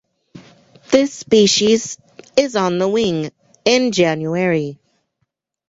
This species is on the wing in January.